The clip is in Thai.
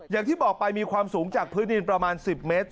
อย่างที่บอกไปมีความสูงจากพื้นดินประมาณ๑๐เมตร